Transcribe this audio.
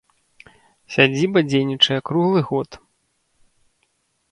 Сядзіба дзейнічае круглы год.